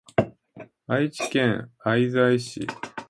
愛知県愛西市